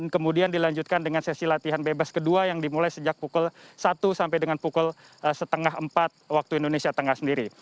kemudian dilanjutkan dengan sesi latihan bebas kedua yang dimulai sejak pukul satu sampai dengan pukul setengah empat waktu indonesia tengah sendiri